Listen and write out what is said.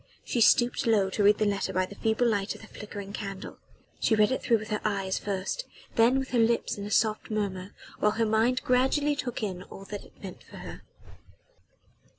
She stooped low to read the letter by the feeble light of the flickering candle. She read it through with her eyes first then with her lips in a soft murmur, while her mind gradually took in all that it meant for her.